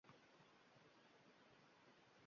Yana bir bemor haqida gapirib bermoqchiman